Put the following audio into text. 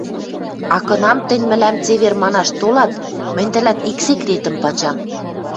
А кынам тӹнь мӹлӓм цевер манаш толат, мӹнь тӹлӓт ик секретӹм пачам.